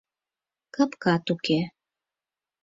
Капкат уке.